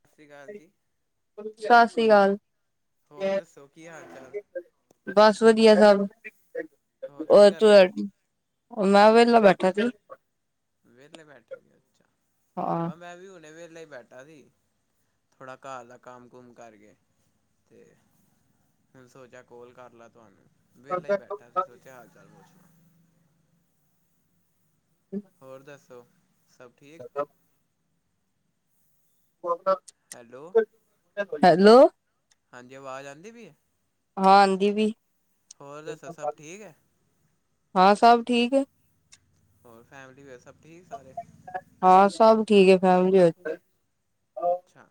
ਸਤਿ ਸ਼੍ਰੀ ਅਕਾਲ ਜੀ। ਸਤਿ ਸ਼੍ਰੀ ਅਕਾਲ। ਹੋਰ ਦੱਸੋ ਕੀ ਹਾਲ ਚਾਲ? ਬਸ, ਵਧੀਆ ਸਭ। ਹੋਰ ਕੀ ਔਰ ਤੂੰ, ਕਰਦੇ? [unintelligible] ਮੈਂ ਵੇਲਾ ਬੈਠ ਵੇਲੇ ਬੈਠੇ ਓਂ ਜੀ ਅੱਛਾ, ਹਾਂ ਬਸ ਮੈਂ ਵੀ ਹੁਨੇ ਵੇਲਾ ਈ ਬੈਠ ਠਾ ਸੀ, ਥੋੜਾ ਘਰ ਦਾ ਕੰਮ-ਕੁਮ ਕਰਕੇ ਤੇ ਫੇਰ ਸੋਚੇਆ ਕੋਲ ਕਰ ਲਾ ਤੁਆਨੂੰ, ਵੇਲਾ ਈ ਬੈਠਾ ਸੀ ਸੋਚੇਆ ਹਾਲ-ਚਾਲ ਪੁੱਛਲਾਂ। ਹੋਰ ਦੱਸੋ ਸਬ [inaudible] [inaudible] ਹੈਲੋ। ਹੈਲੋ। ਹਾਂਜੀ ਅਵਾਜ਼ ਆਂਦੀ ਪਈ ਏ। ਹਾਂ ਆਂਦੀ ਪੀ ਹੋਰ ਦੱਸੋ ਸਬ ਠੀਕ ਐ। ਹਾਂ ਸਬ ਠੀਕ ਏ। ਹੋਰ ਫੈਮਲੀ ਵੇ ਸਬ ਠੀਕ ਸਾਰੇ। ਹਾਂ ਸਬ ਠੀਕ ਏ ਫੈਮਲੀ ਵਿਚ ਤੇ। ਅੱਛਾ,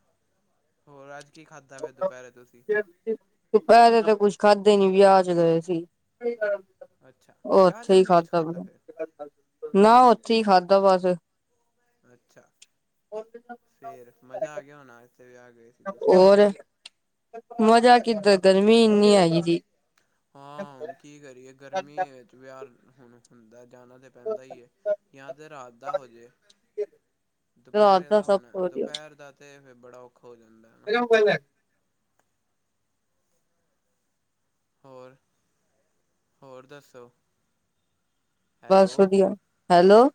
ਹੋਰ ਅੱਜ ਕੀ ਖਾਦਾ ਫੇਰ ਦੁਪੈਰੇ ਤੁਸੀਂ। ਦੁਪੈਰੇ ਤੇ ਕੁੱਛ ਖਾਧਾ ਈ ਨੀ, ਵਿਆਅ ਚ ਗਏ ਸੀ। ਅੱਛਾ, ਵਿਆਹ ਚ ਓਥੇ ਵੀ ਈ ਨੀ ਕੁੱਝ ਖਾਦਾ ਖਾਧਾ ਫਿਰ? ਫੇਰ ਨਾ ਓਥੇ ਈ ਖਾਦਾ ਬਸ। ਅੱਛਾ, ਫੇਰ ਮਜ਼ਾ ਆ ਗੇਆ ਹੋਨਾ ਅੱਜ ਤੇ ਵਿਆਅ ਗਏ ਸੀ ਤੁਸੀਂ। ਹੋਰ, ਮਜ਼ਾ ਕਿਦਰ ਗਰਮੀ ਇੰਨੀ ਹੈਗੀ ਜੀ। ਹਾਂ ਹੁਨ ਕੀ ਕਰੀਏ, ਗਰਮੀ ਏ ਵਿਚ ਵੇਆਅ ਹੁਨ ਹੁੰਦਾ ਜਾਨਾ ਤੇ ਪੈਂਦਾ ਈ ਏ ਜਾਂ ਤੇ ਰਾਤ ਦਾ ਹੋਜੇ। ਰਾਤ ਦੁਪੈਰੇ ਦਾ ਸਭ ਹੁਨ ਤੋਂ ਵਧੀਆ ਦੁਪੈਰ ਦਾ ਤੇ ਫੇਰ ਬੜਾ ਔਖਾ ਹੋ ਜਾਂਦੈ। ਬਜਾਊਂ ਗੈਲੈ ਹੋਰ, ਹੋਰ ਦੱਸੋ ਹੈਲੋ। ਬਸ ਵਧੀਆ ਹੈਲੋ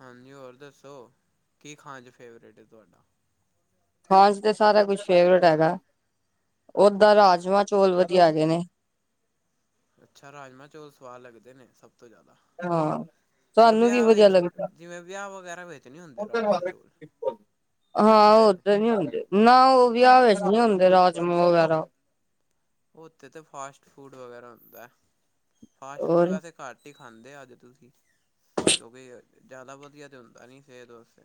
ਹਾਂਜੀ ਹੋਰ ਦੱਸੋ, ਕੀ ਖਾਨ ਚ ਫੇਵਰੇਟ ਏ ਤੁਆਡਾ। ਖਾਨ ਚ ਤੇ ਸਾਰਾ ਕੁਛ ਫੇਵਰੇਟ ਹੈਗਾ, ਓਦਾਂ ਅੱਛਾ। ਰਾਜਮਾਂ ਚੋਲ ਵਦੀਆ ਹੈਗੇ ਨੇ। ਅੱਛਾ ਰਾਜਮਾਂ ਚੋਲ ਸਵਾਦ ਲੱਗਦੇ ਨੇ ਸਬ ਤੋਂ ਜਾਦਾ। ਹਾਂ। ਤਆਨੂੰ ਕੀ ਵਦੀਆ ਲਗਦਾ। ਜਿਵੇਂ ਵਿਆਹ ਵਗੈਰਾ ਵਿੱਚ ਨਹੀਂ ਹੁੰਦੇ ਰਾਜਮਾਂ [unintelligible] ਚੌਲ ਇਹ ਹਾਂ ਹੁੰਦੇ ਨੇ। ਓਦਰ ਨੀ ਹੁੰਦੇ, ਨਾ ਔ ਵੇਆ ਵੇਚ ਨੀ ਹੁੰਦੇ ਰਾਜਮਾਂ ਵਗੈਰਾ। ਓਥੇ ਤੇ ਫਾਸਟ ਫੂਡ ਵਗੈਰਾ ਹੁੰਦੈ, ਫਾਸਟ ਫੂਡ ਹੋਰ ਵੈਸੇ ਘੱਟ ਈ ਖਾਂਦੇ ਅੱਜ ਤੁਸੀਂ। ਕਿਓਂਕਿ ਜਾਦਾ ਵਦੀਆ ਤੇ ਹੁੰਦਾ ਨੀ ਸੇਤ ਵਾਸਤੇ।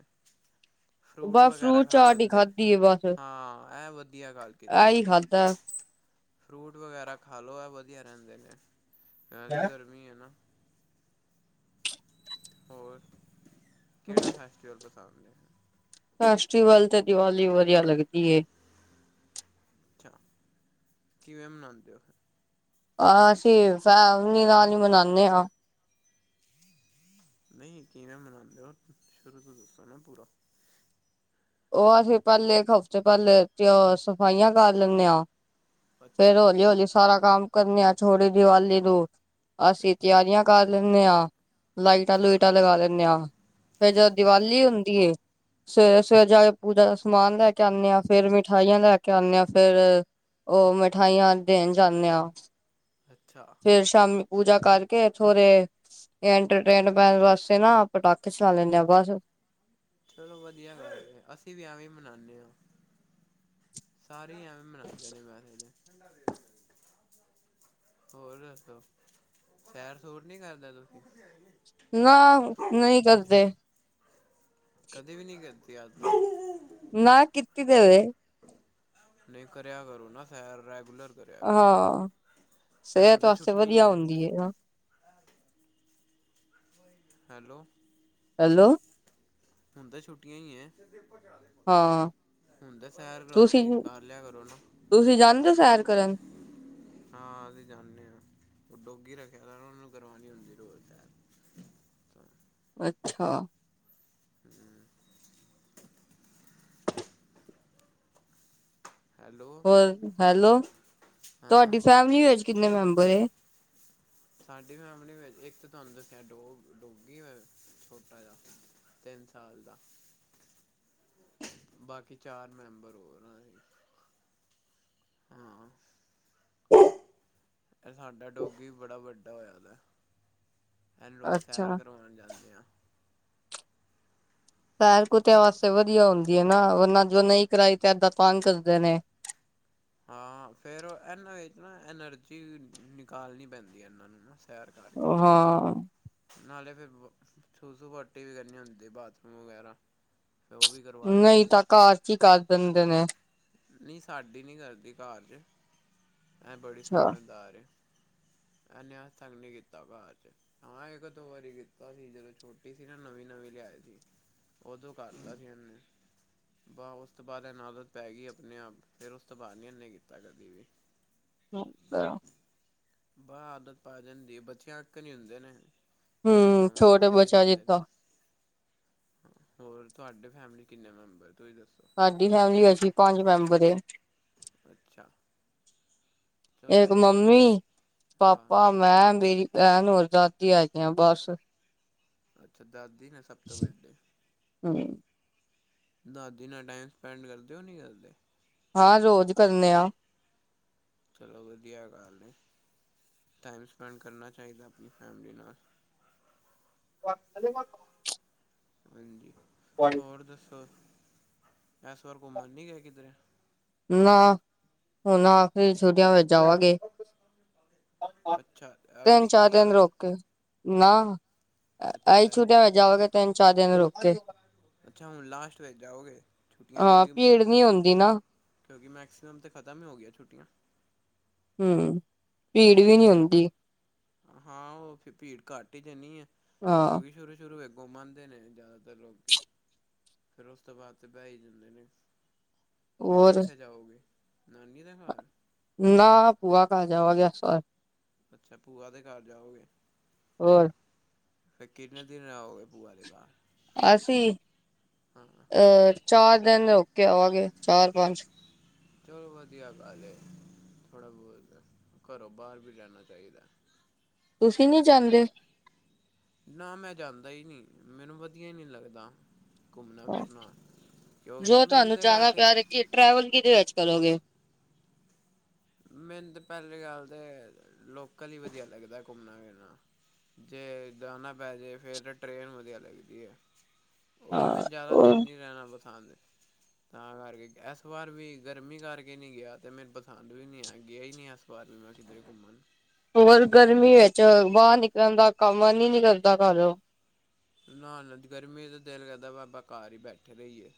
ਫਰੂਟ ਬਸ ਵਗੈਰਾ ਖਾ ਚਾਟ ਹੀ ਲੈਂਦੇ, ਖਾਧੀ ਹਾਂ ਐ ਵਦੀਆ ਗੱਲ ਕੀਤੀ ਐਈ ਤੁਸੀਂ ਖਾਦੈ। ਫਰੂਟ ਵਗੈਰਾ ਖਾ ਲੋ ਐ ਵਦੀਆ ਰੈਂਦੇ ਨੇ, ਜਾਦੀ ਗਰਮੀ ਐ ਨਾ। ਹੋਰ ਕੇੜਾ ਫੈਸਟੀਵਲ ਪਸੰਦ ਏ। ਫੈਸਟੀਵਲ ਤੇ ਦੀਵਾਲੀ ਵਦੀਆ ਲੱਗਦੀ ਏ। ਅੱਛਾ, ਕਿਵੇਂ ਮਨਾਂਦੇ ਓਂ ਫੇਰ। ਆ ਅਸੀਂ ਫੈਮਲੀ ਨਾਲ ਈ ਮਨਾਨੇ ਆਂ। ਨਈਂ ਕਿਵੇਂ ਮਨਾਂਦੇ ਓਂ ਸ਼ੁਰੂ ਤੋਂ ਦੱਸੋ ਨਾ ਪੂਰਾ। ਓ ਅਸੀਂ ਪੈਲੇ ਇੱਕ ਹਫ਼ਤੇ ਪੈਲੇ ਸਫਾਈਆਂ ਕਰ ਲੇਨੇ ਆਂ। ਅੱਛਾ ਫੇਰ ਹੌਲੀ -ਹੌਲੀ ਸਾਰਾ ਕੰਮ ਕਰਨਾ ਆ ਛੋਟੀ ਦੀਵਾਲੀ ਨੂੰ ਅਸੀਂ ਅੱਛਾ ਤਿਆਰੀਆਂ ਕਰ ਲੈਂਣੇ ਆ, ਅੱਛਾ ਲਾਈਟਾਂ-ਲੁਈਟਾਂ ਲਗਾ ਲੈਂਣੇ ਆ। ਫੇਰ ਜਦੋ ਅੱਛਾ ਦੀਵਾਲੀ ਹੁੰਦੀ ਏ ਫੇਰ ਫੇਰ ਜਾ ਕੇ ਪੂਜਾ ਦਾ ਸਮਾਨ ਲੈ ਕੇ ਆਣੇ ਆ, ਫੇਰ ਮਿਠਾਈਆਂ ਲੈ ਕੇ ਆਣੇ ਆਂ ਫੇਰ ਓ ਮਿਠਾਈਆਂ ਦੇਣ ਜਾਂਣੇ ਆ। ਅੱਛਾ‌। ਫੇਰ ਸ਼ਾਮੀ ਪੂਜਾ ਕਰਕੇ ਥੋੜੇ ਇੰਟਰਟੇਨਮੈਂਟ ਵਾਸਤੇ ਨਾ ਪਟਾਕੇ ਚਲਾ ਲੇਂਦਾ ਬਸ। ਚਲੋ ਵਧੀਆ ਗੱਲ ਏ, ਅਸੀਂ ਵੀ ਐਵੇਂ ਈ ਮਨਾਨੇ ਆ, ਸਾਰੇ ਐਵੇਂ ਮਨਾਂਦੇ ਨੇ ਵੈਸੇ ਤਾ ਹੋਰ ਦੱਸੋ? ਸੈਰ ਸੁਰ ਨੀ ਕਰਦੇ ਤੁਸੀਂ? ਮੈ ਨਈ ਕਰਦੀ। ਕਦੇ ਵੀ ਨਈ ਕਰਦੇ ਹੱਦ ਆ। ਨਾ ਕਿਥੇ ਗਏ ਆ। ਨਈ ਕਰੇਆ ਕਰੋ ਨਾ ਸੈਰ ਰੈਗੂਲਰ। ਕਰੇਆ ਕਰੋ, ਹਾਂ। ਹੁਣ ਸਿਹਤ ਤਾਂ ਵਾਸਤੇ ਛੁੱਟੀਆਂ ਈ ਵਧੀਆ ਆਂ। ਹੁੰਦੀ ਏ ਨਾ, ਹੈਲੋ? ਹੈਲੋ? ਹੁਣ ਤਾ ਛੁੱਟੀਆਂ ਈਏ। ਹਾਂ ਹੁਣ ਤਾ ਸੈਰ ਤੁਸੀਂ ਰਾਤੀ ਕਰ ਲੇਆ ਕਰੋ ਨਾ। ਤੁਸੀਂ ਜਾਂਦੇ ਓ ਸੈਰ ਕਰਨ? ਹਾਂ ਅਸੀਂ ਜਾਂਨੇ ਆ, ਓ ਡੋਗੀ ਰੱਖੇਆ ਨਾ ਓ ਨੂੰ ਕਰਵਾਣੀ ਹੁੰਦੀ ਰੋਜ਼ ਸੈਰ। ਤਾਂ ਅੱਛਾ। ਹੁ ਹੈਲੋ ਹੋਰ ਹੈਲੋ, ਤੁਆਡੀ ਹਾਂ ਫੈਮਿਲੀ ਵਿੱਚ ਕਿੰਨੇ ਮੈਂਬਰ ਏ? ਸਾਡੀ ਫੈਮਿਲੀ ਵਿੱਚ ਇੱਕ ਤਾਂ ਤੁਆਨੂੰ ਦੱਸੇਆ ਡੋਗ, ਡੋਗੀ ਹੋਏਆ, ਛੋਟਾ ਜਾ। ਤਿੰਨ ਸਾਲ ਦਾ। ਬਾਕੀ ਚਾਰ ਮੈਂਬਰ ਹੋਰ ਆਏ ਆ। ਹਾਂ। ਏ ਸਾਡਾ ਡੋਗੀ ਬੜਾ ਵੱਡਾ ਹੋਏਆ ਦਾ। ਏਨੂੰ ਅੱਛਾ ਸੈਰ ਕਰੋਣ ਜਾਂਦੇ ਆਂ। ਸੈਰ ਕੁਤੇਆਂ ਵਾਸਤੇ ਵਧੀਆ ਹੁੰਦੀ ਹੈ ਨਾ, ਅਗਰ ਨਾਂ ਜੋ ਨਈ ਕਰਾਈ ਤੇ ਏਦਾਂ ਤੰਗ ਕਰਦੇ ਨੇ। ਹਾਂ ਫੇਰ ਏਨਾਂ ਵਿੱਚ ਨਾ, ਐਨਰਜੀ ਨਿਕਾਲਣੀ ਪੈਂਦੀ ਏਨਾਂ ਨੂੰ ਨਾ ਸੈਰ ਕਰਕੇ। ਹਾਂ। ਨਾਲੇ ਫੇਰ ਵੋ ਸੁਸੂ- ਪੋਟੀ ਵੀ ਕਰਨੀ ਹੁੰਦੀ, ਬਾਥਰੂਮ ਵਗੈਰਾ ਤੇ ਓ ਵੀ ਕਰਵਾ ਦਿੰਨੀ ਆ। ਕੀ ਕਰ ਦਿੰਦੇ ਨੇ। ਨਈ ਸਾਡੀ ਨਈ ਕਰਦੀ ਘਾਰ ਚ, ਏ ਬੜੀ ਅੱਛਾ। ਸਮਝਦਾਰ ਏ। ਏਨੇ ਆ ਤੰਗ ਨਈ ਕੀਤਾ ਬਾਚ। ਹਾਂ ਇੱਕ ਦੋ ਵਾਰੀ ਕੀਤਾ ਸੀ, ਜਦੋਂ ਛੋਟੀ ਸੀ ਨਾ, ਨਵੀਂ-ਨਵੀਂ ਲਿਆਏ ਸੀ। ਉਦੋਂ ਕਰਤਾ ਸੀ ਏਨੇ। ਬਾਸ ਉਸ ਤੋਂ ਬਾਅਦ ਏਨੂ ਆਦਤ ਪੈ ਗਈ ਆਪਣੇ ਆਪ, ਫੇਰ ਉਸ ਤੋਂ ਬਾਦ ਨਈ ਏਨੇ ਕੀਤਾ ਕਦੀ ਵੀ। ਠੀਕ ਐ। ਬਾਹ ਆਦਤ ਪੈ ਜਾਂਦੀ ਏ, ਬੱਚਿਆਂ ਵਾਕਣ ਈ ਹੁੰਦੇ ਨੇ। ਜੋ ਹੂੰ ਸਿਖਾਵਾਂਗੇ ਉਹ ਛੋਟੇ ਸਿੱਖ ਬੱਚਾ ਜਾਂਦੇ ਨੇ। ਜਿੱਦਾਂ ਹੋਰ ਤੁਹਾਡੇ ਫੈਮਲੀ ਕਿੰਨੇ ਮੈਂਬਰ ਤੁਸੀਂ ਦੱਸੋ? ਸਾਡੀ ਫੈਮਿਲੀ ਅਸੀਂ ਪੰਜ ਮੈਂਬਰ ਏ‌। ਅੱਛਾ। ਏਕ ਚਲੋ ਵਧੀਆ ਮੰਮੀ, ਹਾਂ ਪਾਪਾ, ਮੈਂ, ਮੇਰੀ ਭੈਣ ਔਰ ਦਾਦੀ ਹੈਗੀਆ ਬਸ। ਅੱਛਾ ਦਾਦੀ ਨੇ ਸਭ ਤੋਂ ਵੱਡੇ। ਹੂੰ। ਦਾਦੀ ਨਾਲ ਟਾਈਮ ਸਪੈਂਡ ਕਰਦੇ ਓ ਨਈਂ ਕਰਦੇ? ਹਾਂ ਰੋਜ਼ ਕਰਨੇ ਆ। ਚਲੋ ਵਧੀਆ ਗੱਲ ਨੀ ਟਾਈਮ ਸਪੈਂਡ ਕਰਨਾ ਚਾਹੀਦਾ ਆਪਣੀ ਫੈਮਿਲੀ ਨਾਲ। [unintelligible] ਹਾਂਜੀ ਹੋਰ ਦੱਸੋ, ਇਸ ਵਾਰ ਘੁੰਮਣ ਨੀ ਗਏ ਕਿਧਰੇ? ਨਾ, ਹੁਣ ਆਖਰੀ ਛੁਟੀਆਂ ਵਿੱਚ ਜਾਵਾਂਗੇ। ਅੱਛਾ ਅਗਲੀ ਤਿੰਨ- ਚਾਰ ਛੁੱਟੀਆਂ ਦਿਨ ਵਿੱਚ ਰੁਕ ਕੇ। ਨਾ, ਆਈ ਅੱਛਾ ਛੁੱਟੀਆਂ ਵਿੱਚ ਜਾਵਾਂਗੇ ਤਿੰਨ- ਚਾਰ ਦਿਨ ਰੁ ਅੱਛਾ ਹੁਣ ਲਾਸਟ ਵਿੱਚ ਜਾਓਗੇ ਛੁੱਟੀਆਂ ਹਾਂ ਕਿਉਂਕਿ ਭੀੜ ਨੀ ਹੁੰਦੀ ਨਾ ਕਿਉਂਕਿ ਮੈਕਸੀਮਮ ਤੇ ਖਤਮ ਹੀ ਹੋ ਗੀਆ ਛੁਟੀਆਂ। ਹਮਅ ਭੀੜ ਵੀ ਨੀਂ ਫੇ ਹੁੰਦੀ। ਹਾਂ ਉਹ ਫਿਰ ਭੀੜ ਘੱਟ ਹੀ ਜਾਂਨੀ ਐ, ਹਾਂ ਕਿਉਂਕਿ ਸ਼ੁਰੂ -ਸ਼ੁਰੂ ਵਿੱ ਘੁੰਮ ਆਂਦੇ ਨੇ ਜਿਆਦਾਤਰ ਲੋਕੀ। ਫੇਰ ਉਸ ਤੋਂ ਬਾਅਦ ਤੇ ਬਹਿ ਹੀ ਜਾਂਦੇ ਨੇ। ਫੇਰ ਹੋਰ ਕਿੱਥੇ ਜਾਓਗੇ? ਨਾਨੀ ਦੇ ਘਰ। ਨਾ ਭੂਆ ਘਰ ਜਾਵਾਂਗੇ ਏਸ ਵਾਰ। ਅੱਛਾ ਭੂਆ ਦੇ ਘਰ ਜਾਓਗੇ। ਹਅ ਫਿਰ ਕਿੰਨੇ ਦਿਨ ਰਹੋਗੇ ਭੂਆ ਦੇ ਘਰ? ਆਸੀਂ ਹਮ ਅ ਅ ਚਾਰ ਦਿਨ ਹੋ ਕੇ ਆਵਾਂਗੇ ਚਾਰ-ਪੰਜ ਚਲੋ ਵਧੀਆ ਗੱਲ ਏ। ਥੋੜਾ ਬਹੁਤ ਘਰੋਂ ਬਾਹਰ ਵੀ ਜਾਣਾ ਚਾਹੀਦਾ। ਤੁਸੀਂ ਨੀ ਹਾਂ ਜਾਂਦੇ? ਨਾ ਮੈਂ ਜਾਂਦਾ ਹੀ ਨੀਂ ਮੈਨੂੰ ਵਧੀਆ ਨੀਂ ਲੱਗਦਾ। ਘੁੰਮਣਾ, ਫਿਰਨਾ ਕਿਉਂਕਿ ਜੋ ਮੈਨੂੰ ਤੁਹਾਨੂੰ ਤੇ ਜਾਣਾ ਵੈਸੈ ਪਿਆ ਕਿ ਟਰੈਵਲ ਕਿਹਦੇ ਵਿੱਚ ਕਰੋਗੇ? ਮੈਨੂੰ ਤੇ ਪਹਿਲੀ ਗੱਲ ਤੇ ਅ ਲੋਕਲ ਹੀ ਵਧੀਆ ਲੱਗਦਾ ਘੁੰਮਣਾ ਫਿਰਨਾ ਜੇ ਜਾਣਾ ਪੈ ਜੇ ਫੇਰ ਤਾਂ ਟ੍ਰਰੇਨ ਹੀ ਵਧੀਆ ਲੱਗਦੀ ਏ ਉਹੀ ਹਾਂ ਮੈਨੂੰ ਜ਼ਿਆਦਾ ਦਿੱਲੀ ਜਾਣਾ ਪਸੰਦ ਏ ਤਾਂ ਕਰਕੇ ਏਸ ਵਾਰ ਵੀ ਗਰਮੀ ਕਰਕੇ ਨੀਂ ਗਿਆ ਤੇ ਮੈਨੂੰ ਪਸੰ ਦ ਵੀ ਨੀਂ ਹੈਗੀਂ ਗਿਆ ਹੀ ਨੀਂ ਮੈਂ ਏਸ ਵਾਰ ਵੀ ਮੈਂ ਕਿਦਰੇ ਘੁੰਮਣ। ਹੋਰ ਗਰਮੀ ਵਿੱਚ ਬਾਹਰ ਨਿਕਲਣ ਦਾ ਕੰਮ ਹੈ ਵੀ ਨੀਂ ਕਰਦਾ ਘਰੋਂ ਨਾ ਨਾ ਗਰਮੀ ਦਾ ਦਿਲ ਕਰਦਾ ਵਾ ਆਪਾਂ ਘਰ ਹੀ ਬੈਠੇ ਰਹੀ ਏ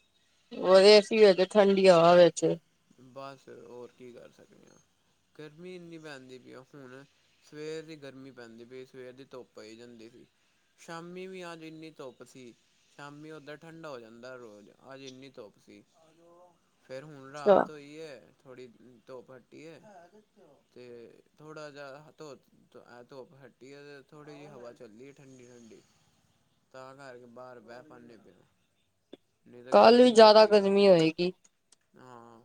ਉਰ ਏ ਸੀ ਵਿੱਚ ਠੰਡੀ ਹਵਾ ਵਿੱਚ। ਬਸ ਹੋਰ ਕੀ ਕਰ ਸਕਦੇ ਆਂ, ਗਰਮੀ ਇੰਨੀ ਪੈਂਦੀ ਪਈ ਆ ਫੁਣ ਸਵੇਰ ਦੀ ਗਰਮੀ ਪੈਂਦੀ ਪਈ ਸਵੇਰ ਦੀ ਧੁੱਪ ਪਈ ਜਾਂਦੀ ਸੀ। ਸ਼ਾਮੀ ਵੀ ਅੱਜ ਐਨੀ ਧੁੱਪ ਸੀ। ਸ਼ਾਮੀ ਓਦਾਂ ਠੰਡਾ ਹੋ ਜਾਂਦਾ ਰੋਜ਼, ਅੱਜ ਐਨੀ ਧੁੱਪ ਸੀ ਫੇਰ ਹੁਣ ਅੱਛਾ ਰਾਤ ਹੋਈ ਐ ਥੋੜੀ ਧੁੱਪ ਹੱਟੀ ਐ ਤੇ ਥੋੜਾ ਜਾ ਧ ਐਹ ਧੁੱਪ ਹੱਟੀ ਏ ਤੇ ਥੋੜ੍ਹੀ ਜੀ ਹਵਾ ਚੱਲੀ ਐ ਠੰਡੀ-ਠੰਡੀ। ਤਾਂ ਕਰਕੇ ਬਾਹਰ ਬਹਿ ਪਾਨੇ ਪ‌ਏ ਆ, ਨਹੀਂ ਤਾਂ ਕੱਲ ਵੀ ਗਰਮੀ ਜ਼ਿਆਦਾ ਬੜੀ ਆ। ਗਰਮੀ ਹੋਏਗੀ। ਹਾਂ,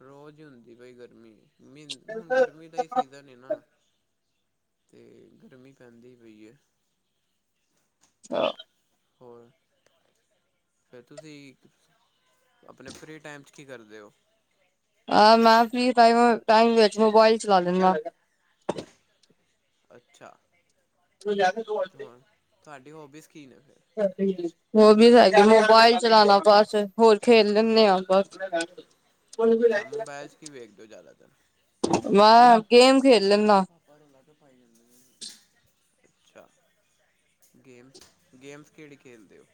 ਰੋਜ਼ ਈ ਹੁੰਦੀ ਪਈ ਗਰਮੀ, ਮੀ ਹੁਣ ਗਰਮੀ ਦਾ ਈ ਸੀਜ਼ ਜ਼ਨ ਏ ਨਾ, ਤੇ ਗਰਮੀ ਪੈਦੀ ਪ‌ਈ ਐ। ਹਾਂ। ਹੋਰ? ਫੇਰ ਤੁਸੀਂ ਆਪਣੇ ਫ੍ਰੀ ਟਾਈਮ ਚ ਕੀ ਕਰਦੇ ਓ? ਅਹ, ਮੈਂ ਫ੍ਰੀ ਟਾਈਮ ਵਿੱਚ ਮੋਬਾਈਲ ਚਲਾ ਲੈਨਾ। ਅੱਛਾ, ਹੁ ਤੁਹਾਡੀ ਹੋਬੀਜ਼ ਕੀ ਨੇ ਫੇਰ? [inaudible] ਓ ਵੀ ਹੈਗੀ, ਮੋਬਾਈਲ ਚਲਾਣਾ ਬਸ ਹੋਰ ਖੇਲ ਲੈਨੇ ਆ ਬਸ। ਅੱਛਾ, ਮੋਬੈਲ ਚ ਕੀ ਵੇਖ ਦੇ ਓ ਜ਼ਿਆਦਾਤਰ? ਮੈਂ ਗੇਮ ਖੇਲ ਲੈਨਾ। ਅੱਛਾ। ਗੇਮਸ, ਗੇਮਸ ਕੇੜੀ ਖੇਲਦੇ ਓ?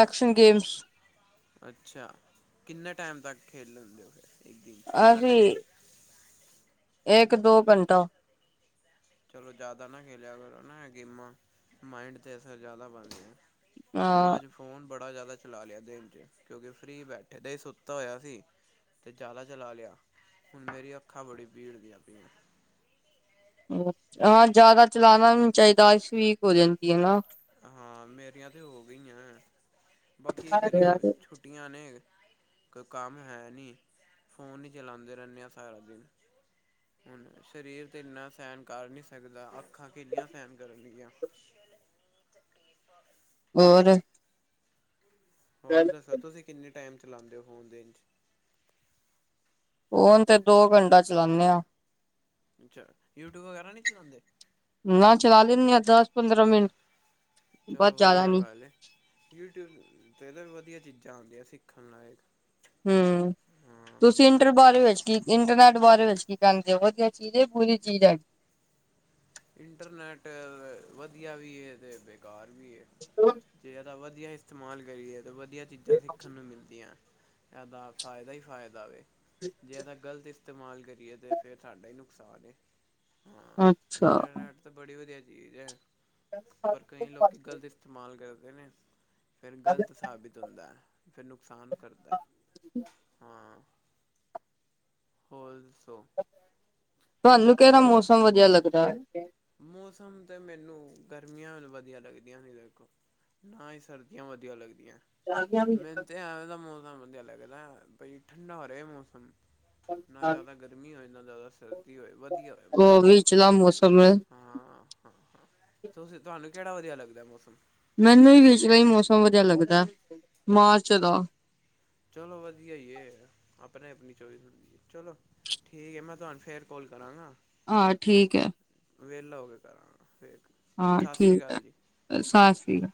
Action games. ਅੱਛਾ, ਕਿੰਨੇ ਟੈਮ ਤੱਕ ਖੇਡ ਲੈਂਦੇ ਓ ਫਿਰ ਇਕ ਦਿਨ ਚ ਕਿੰਨਾ ਟਾਇਮ? ਇੱਕ-ਦੋ ਘੰਟਾ। ਚਲੋ ਜਾਦਾ ਨਾ ਖੇਲਿਆ ਕਰੋ ਨਾ ਏ ਗੇਮਾਂ, ਮਾਇਡ ਤੇ ਅਸਰ ਜਾਦਾ ਪਾਦੀਆ। ਮੈ ਹਾਂ ਜ ਫੋਨ ਬੜਾ ਜਾਦਾ ਚਲਾ ਲਿਆ ਦਿਨ ਚ ਕਿਉਂਕਿ ਫਰੀ ਬੈਠੇ [unintelligible] ਤੇ ਸੁੱਤੇ ਹੋਇਆ ਸੀ। ਤੇ ਜਾਦਾ ਚਲਾ ਲਿਆ ਹੁਣ ਮੇਰੀ ਅੱਖਾਂ ਬੜੀ ਭੀੜ ਦੀਆਂ ਪਈਆ। ਹਾਂ ਜਾਦਾ ਚਲਾਣਾ ਵੀ ਨੀ ਚਾਈਦਾ ਆਈਜ ਵੀਕ ਹੋ ਜਾਂਦੀ ਐ ਨਾ। ਹਾਂ, ਮੇਰੀਆਂ ਤਾਂ ਹੋ ਗਈਆਂ, ਬਾਕੀ [unintelligible] ਛੁੱਟ ਛੁੱਟੀਆਂ ਨੇ, ਕੋਈ ਕੰਮ ਹੈ ਨੀ, ਫੋਨ ਈ ਚਲਾਦੇ ਰਹਿੰਦੇ ਆ ਸਾਰਾ ਦਿਨ। ਹੁਣ ਸਰੀਰ ਤੇ ਐਨਾ ਸਹਿਣ ਕਰ ਨੀ ਸਕਦਾ, ਅੱਖਾਂ ਕਿੰਨੀਆ ਸਹਿਣ ਕਰਨਗੀਆਂ? [inaudible] ਹੋਰ? ਹੋਰ ਦੱਸੋ ਤੁਸੀਂ ਕਿੰਨੇ ਟਾਈਮ ਚਲਾਦੇ ਓ ਫੋਨ ਦਿਨ ਚ? ਹੁਣ ਤੇ ਦੋ ਘੰਟਾ ਚਲਾਣੇ ਆ। ਅੱਛਾ, ਯੂਟਿਊਬ ਵਗੈਰਾ ਨੀ ਚਲਾਦੇ? ਨਾ ਚਲਾ ਲੈਂਦੇ ਆ ਦਸ ਪੰਦਰਾਂ ਮਿੰਟ ਬਸ ਚਲੋ ਜ਼ਿਆਦਾ ਵਧੀਆ ਨੀ ਗੱਲ ਏ। ਯੂਟਿਊਬ ਤੇ ਤਾਂ ਵੀ ਵਧੀਆ ਚੀਜ਼ਾਂ ਆਦੀਆ, ਸਿੱਖਣ ਲਾਇਕ। ਹੂੰ। ਹਾਂ ਤੁਸੀਂ ਇੰਟਰ ਬਾਰੇ ਵਿਚ ਕੀ ਇੰਟਰਨੈੱਟ ਬਾਰੇ ਵਿਚ ਕੀ ਕਹਿੰਦੇ ਓ ਕਿ ਅੱਛੀ ਚੀਜ਼ ਐ [unintelligible] ਬੁਰੀ ਚੀਜ਼ ਐ? ਇੰਟਰਨੈੱਟ ਵਧੀਆ ਵੀ ਏ ਤੇ ਬੇਕਾਰ ਵੀ ਏ। [inaudible] ਜੇ ਏਦਾ ਵਧੀਆ ਇਸਤੇਮਾਲ ਕਰੀਏ ਤਾਂ ਵਧੀਆ ਚੀਜ਼ਾਂ ਸਿੱਖਣ ਨੂੰ ਮਿਲਦੀਆਂ। ਏਦਾ ਫਾਇਦਾ ਈ ਫਾਇਦਾ ਵੇ, ਜੇ ਗਲਤ ਇਸਤੇਮਾਲ ਕਰੀਏ ਤਾਂ ਫੇਰ ਸਾਡਾ ਈ ਨੁਕਸਾਨ ਏ, ਹਾਂ। ਅੱਛਾ ਏ ਤਾਂ ਬੜੀ ਵਧੀਆ ਚੀਜ਼ ਹੈ, ਪਰ ਕਈ ਲੋਕ ਗਲਤ ਇਸਤੇਮਾਲ ਕਰਦੇ ਨੇ। ਫਿਰ ਗਲਤ ਸਾਬਿਤ ਹੁੰਦਾ ਹੈ, ਫਿਰ ਨੁਕਸਾਨ ਕਰਦਾ ਹੈ। ਹੋਲ ਸੋ ਤੁਹਾਨੂੰ ਕਿਹੜਾ ਮੌਸਮ ਵਧੀਆ ਲੱਗਦਾ ਹੈ, ਮੈਂ ਕੇਹਾ ਮੌਸਮ ਤੇ ਮੈਨੂੰ ਗਰਮੀਆਂ ਵਧੀਆ ਲੱਗਦੀਆਂ ਨੇ, ਦੇਖੋ। ਨਾ ਹੀ ਸਰਦੀਆਂ ਵਧੀਆ ਲੱਗਦੀ ਐ ਮੈਨੂੰ ਤੇ ਐਵੇ ਦਾ ਮੌਸਮ ਵਧੀਆ ਲੱਗਦਾ, ਬਈ ਠੰਡਾ ਰਹੇ ਮੌਸਮ ਨਾ ਜ਼ਿਆਦਾ ਗਰਮੀ ਹੋਏ ਨਾ ਜ਼ਿਆਦਾ ਸਰਦੀ ਹੋਏ ਵਧੀਆ ਹੋਏ ਉਹ ਮੌਸਮ ਵਿਚਲਾ ਮੌਸਮ ਹੈ ਹਾਂ ਹਾਂ ਹਾਂ ਤੁਸੀਂ ਤੁਹਾਨੂੰ ਕਿਹੜਾ ਵਧੀਆ ਲੱਗਦਾ ਮੌਸਮ ਮੈਨੂੰ ਹੀ ਵਿਚਲਾ ਹੀ ਮੌਸਮ ਵਧੀਆ ਲੱਗਦਾ, ਮਾਰਚ ਦਾ ਚਲੋ ਵਧੀਆ ਹੀ ਏ, ਆਪਣੇ ਆਪਣੀ ਚੋਇਸ ਐ ਚਲੋ ਠੀਕ ਹੈ, ਮੈਂ ਤੁਹਾਨੂੰ ਫੇਰ ਕਾਲ ਕਰਾਂਗਾ। ਹਾਂ ਠੀਕ ਹੈ। ਵੇਹਲਾ ਹੋ ਕੇ ਕਰਾਂਗਾ ਫਿਰ। ਹਾਂ ਠੀਕ ਹੈ, ਸਤਿ ਸ਼੍ਰੀ ਅਕਾਲ